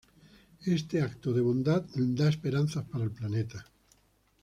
Este acto de bondad le da esperanza para el planeta.